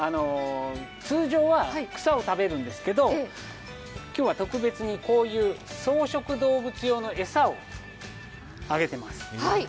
通常は草を食べるんですけれど今日は特別に、こういう草食動物用の餌をあげてます。